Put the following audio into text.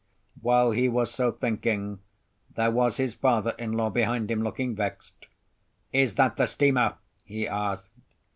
While he was so thinking, there was his father in law behind him, looking vexed. "Is that the steamer?" he asked.